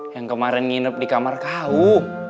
yang kemarin nginep di kamar kau